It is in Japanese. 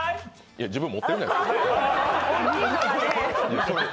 いや、自分、持っとるやん。